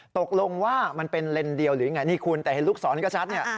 ตกลงว่ามันเป็นเลนส์เดียวหรือยังไงนี่คุณแต่เห็นลูกศรก็ชัดเนี่ย